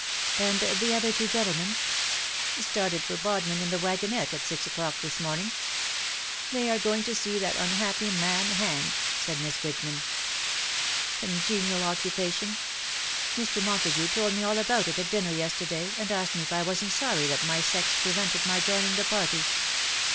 ^'^' And the other two gentlemen ?''" Started for Bodmin in the wagonette at six o'clock this morning." '^They are going to see that unhappy man 6 ''with such remorseless speed hanged/^ said Miss Bridgeman. " Congenial occu pation. Mr. Montagu told me all about it at dinner yesterday, and asked me if I wasn^t sorry that my sex prevented my joining the party.